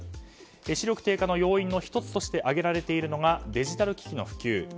視力低下の要因の１つとして挙げられているのがデジタル機器の普及。